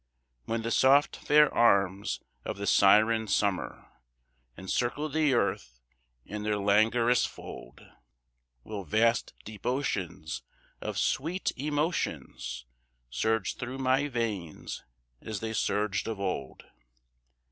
When the soft, fair arms of the siren Summer Encircle the earth in their languorous fold. Will vast, deep oceans of sweet emotions Surge through my veins as they surged of old?